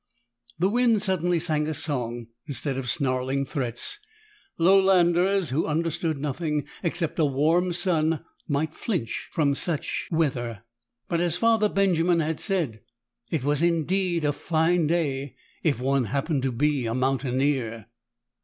The wind suddenly sang a song instead of snarling threats. Lowlanders who understood nothing except a warm sun might flinch from such weather. But, as Father Benjamin had said, it was indeed a fine day if one happened to be a mountaineer.